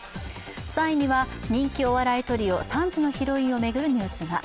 ３位には人気お笑いトリオ３時のヒロインを巡るニュースが。